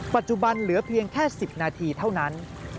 ปัจจุบันเหลือเพียงแค่๑๐นาทีเท่านั้น